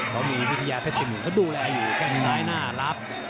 เขามีวิทยาเพชรสมุนเขาดูแลอยู่แค่งซ้ายน่ารัก